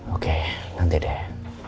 oke nanti deh